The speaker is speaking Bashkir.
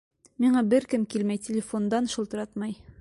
Миңә бер кем килмәй, телефондан шылтыратмай.